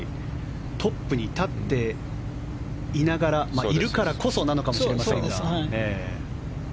トップに立っていながらいるからこそなのかもしれませんが。